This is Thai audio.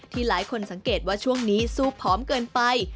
หลายคนสังเกตว่าช่วงนี้สู้พร้อมเกินไป